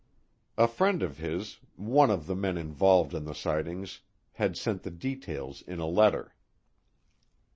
A friend of his, one of the men involved in the sightings, had sent the details in a letter.